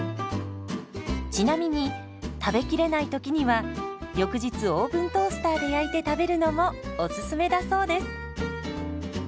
ちなみに食べきれないときには翌日オーブントースターで焼いて食べるのもおすすめだそうです。